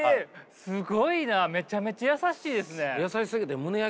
すごいなめちゃめちゃ優しいですね。